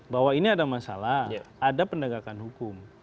bahwa ini ada masalah ada penegakan hukum